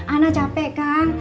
anak capek kan